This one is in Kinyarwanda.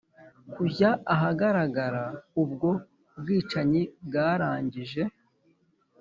kujya ahagaragara. ubwo bwicanyi bwarangije